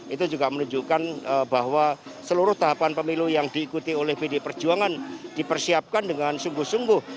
itu juga menunjukkan bahwa seluruh tahapan pemilu yang diikuti oleh pd perjuangan dipersiapkan dengan sungguh sungguh